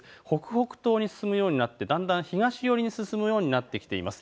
北北東に進むようになってだんだん東寄りに進むようになってきています。